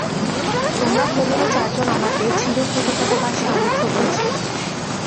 তোমরা ভগিনী চারজন আমাকে চিরকৃতজ্ঞতাপাশে আবদ্ধ করেছ।